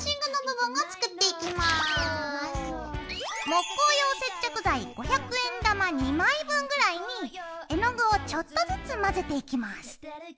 木工用接着剤５００円玉２枚分ぐらいに絵の具をちょっとずつ混ぜていきます。